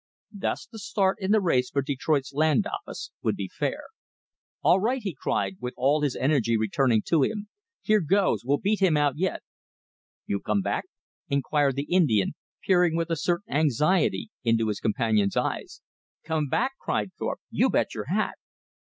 Thus the start in the race for Detroit's Land Office would be fair. "All right," he cried, all his energy returning to him. "Here goes! We'll beat him out yet!" "You come back?" inquired the Indian, peering with a certain anxiety into his companion's eyes. "Come back!" cried Thorpe. "You bet your hat!"